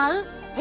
え？